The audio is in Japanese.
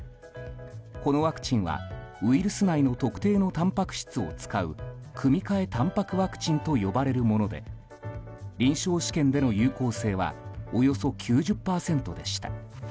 このワクチンは、ウイルス内の特定のたんぱく質を使う組み換えタンパクワクチンと呼ばれるもので臨床試験での有効性はおよそ９０％でした。